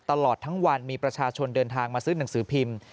ตลอดทั้งวันมีประชาชนเดินทางมาซื้อหนังสือพิมพ์